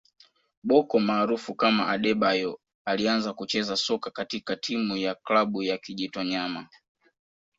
Bocco maarufu kama Adebayor alianza kucheza soka katika timu ya klabu ya Kijitonyama